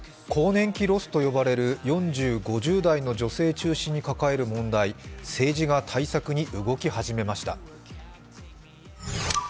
更年期ロスと呼ばれる４０、５０代中心に抱える問題、政治が対策に動き始めました。